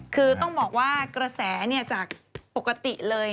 คือต้องบอกว่ากระแสจากปกติเลย